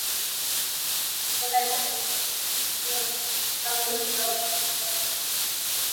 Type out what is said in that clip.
Suala hili liliwalazimu kukimbia kambi zao na kuingia Uganda na Rwanda